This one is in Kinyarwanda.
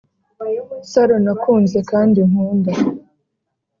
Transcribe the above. Saro nakunze kandi nkunda